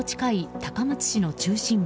高松市の中心部。